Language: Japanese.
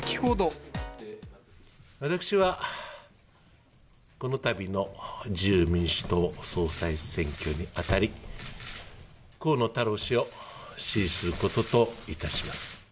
私は、このたびの自由民主党総裁選挙にあたり、河野太郎氏を支持することといたします。